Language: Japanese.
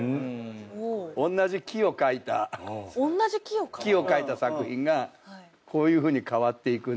おんなじ木を描いた作品がこういうふうに変わっていくんですよ。